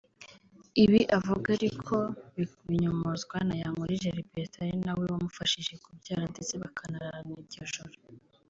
Ibi avuga ariko binyomozwa na Yankurije Libertha ari nawe wamufashije kubyara ndetse bakanararana iryo joro